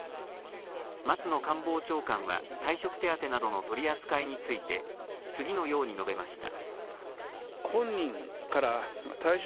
松野官房長官は、退職手当などの取り扱いについて、次のように述べました。